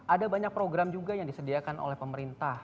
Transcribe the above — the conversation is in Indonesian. ada banyak program juga yang disediakan oleh pemerintah